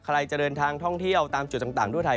ใครจะเดินทางท่องเที่ยวตามจุดต่างทั่วไทย